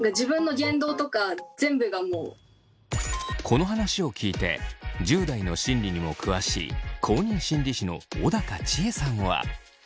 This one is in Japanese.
この話を聞いて１０代の心理にも詳しい公認心理師の小高千枝さんは。